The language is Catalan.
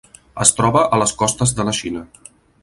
Es troba a les costes de la Xina.